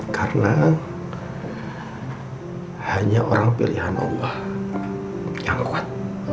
karena hanya orang pilihan allah yang kuat